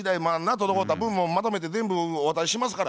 滞った分もまとめて全部お渡ししますから」